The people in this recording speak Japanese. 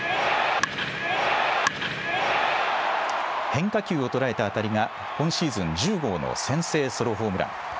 変化球を捉えた当たりが今シーズン１０号の先制ソロホームラン。